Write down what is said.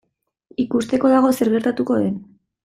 Ikusteko dago zer gertatuko den.